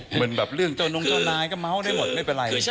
เหมือนเรื่องเจานุ่งเจานายก็เม้าได้หมดไม่เป็นไร